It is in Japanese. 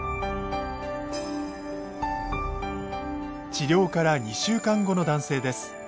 治療から２週間後の男性です。